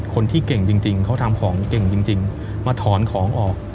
คนที่เก่งจริงเขาทำของเก่งจริงมาถอนของออก